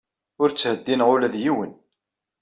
Ur ttheddineɣ ula d yiwen.